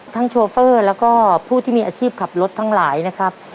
โชเฟอร์แล้วก็ผู้ที่มีอาชีพขับรถทั้งหลายนะครับ